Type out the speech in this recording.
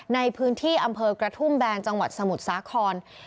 ในพื้นที่อำเภอกระทุ่มแบนจังหวัดสมุทรสาคร